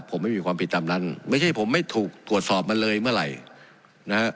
ผมไม่มีความผิดตามนั้นไม่ใช่ผมไม่ถูกตรวจสอบมาเลยเมื่อไหร่นะฮะ